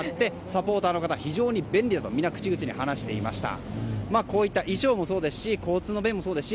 サポーターの方は非常に便利だと皆、口々に話していました。